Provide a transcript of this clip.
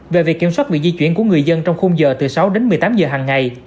về việc kiểm soát việc di chuyển của người dân trong khung giờ từ sáu đến một mươi tám giờ hằng ngày